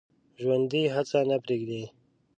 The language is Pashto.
ژوندي هڅه نه پرېږدي